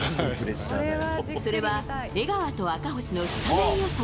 それは江川と赤星のスタメン予想。